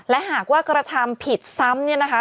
และหากว่ากระทำผิดซ้ำเนี่ยนะคะ